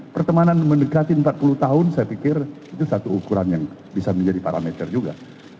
pertemanan mendekati empat puluh tahun saya pikir itu satu ukuran yang bisa menjadi parameter juga